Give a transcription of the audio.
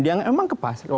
dia emang ke pasar